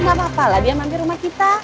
gapapa lah dia mampir rumah kita